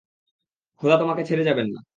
খোদা তোমাকে ছেড়ে যাবেন না।